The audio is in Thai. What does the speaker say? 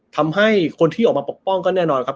ทำให้คนที่ออกมาปกป้องก็แน่นอนครับ